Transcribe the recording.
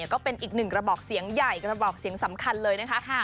ก็เป็นอีกหนึ่งกระบอกเสียงใหญ่กระบอกเสียงสำคัญเลยนะคะ